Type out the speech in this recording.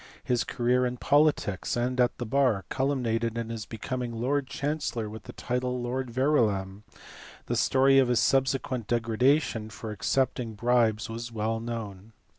His career in politics and at the bar culminated in his becoming lord chancellor with the title of Lord Verulam : the story of his subsequent degradation for accepting bribes is well known.